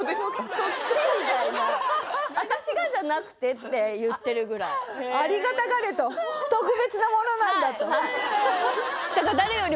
そっち？みたいな私がじゃなくてって言ってるぐらいありがたがれとええ